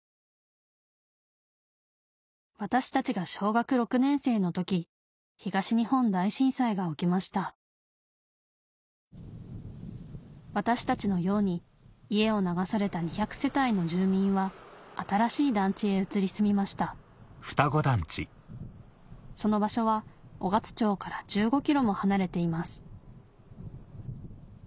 私たちが小学６年生の時東日本大震災が起きました私たちのように家を流された２００世帯の住民は新しい団地へ移り住みましたその場所は雄勝町から１５ｋｍも離れています